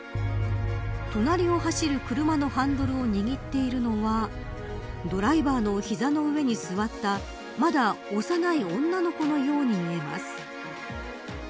隣を走る車のハンドルを握っているのはドライバーの膝の上に座ったまだ幼い女の子のように見えます。